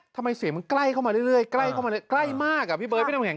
ทำไมเสียงมันใกล้เข้ามาเรื่อยใกล้มากอ่ะพี่เบิร์ชพี่ต้องแข็ง